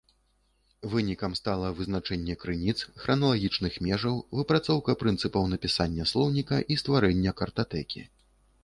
Вынікам стала вызначэнне крыніц, храналагічных межаў, выпрацоўка прынцыпаў напісання слоўніка і стварэння картатэкі.